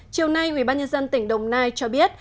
chiều nay ubnd tỉnh đồng nai cho biết